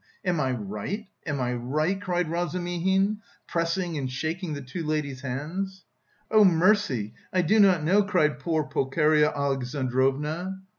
Am I right, am I right?" cried Razumihin, pressing and shaking the two ladies' hands. "Oh, mercy, I do not know," cried poor Pulcheria Alexandrovna.